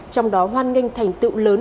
trong đó hoan nghênh thành tựu lớn